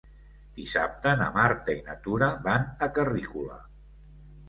Dissabte na Marta i na Tura van a Carrícola.